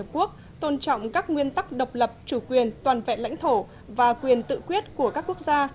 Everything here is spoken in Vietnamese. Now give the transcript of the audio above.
quốc tôn trọng các nguyên tắc độc lập chủ quyền toàn vẹn lãnh thổ và quyền tự quyết của các quốc gia